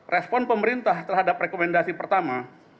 respon pemerintah terhadap rekomendasi pertama